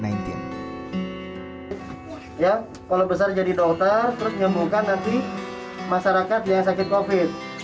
kalau besar jadi dokter terus nyembuhkan nanti masyarakat yang sakit covid